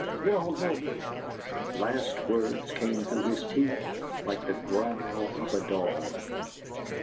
You don't know me!" The last words came through his teeth like the growl of a dog.